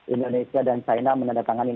indonesia dan china menandatangani